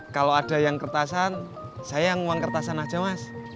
kalau ada yang kertasan saya yang uang kertasan aja mas